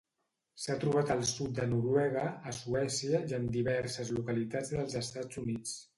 S'ha trobat al sud de Noruega, a Suècia i en diverses localitats dels Estats Units.